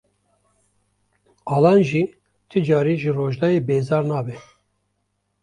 Alan jî ti carî ji Rojdayê bêzar nabe.